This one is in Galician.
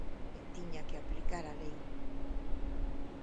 E tiña que aplicar a lei.